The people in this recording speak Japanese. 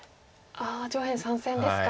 上辺３線ですか。